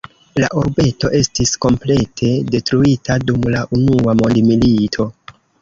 La urbeto estis komplete detruita dum la unua mondmilito.